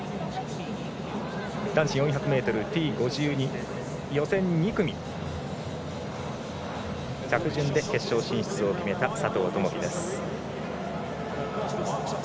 男子４００ｍＴ５２予選２組着順で決勝進出を決めた佐藤友祈です。